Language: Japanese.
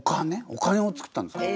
お金をつくったんですか？